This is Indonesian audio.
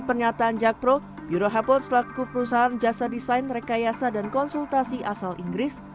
pernyataan jakpro bureu hapold selaku perusahaan jasa desain rekayasa dan konsultasi asal inggris